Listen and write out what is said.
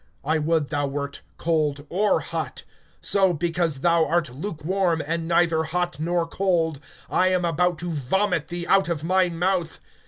I would thou wert cold or hot. (16)So, because thou art lukewarm, and neither hot nor cold, I am about to vomit thee out of my mouth.